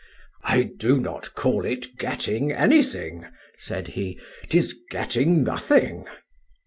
—I do not call it getting anything, said he;—'tis getting nothing.